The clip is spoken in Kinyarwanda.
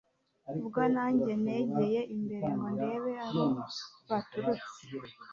ubwo nanjye negeye imbere ngo ndebe aho baturutse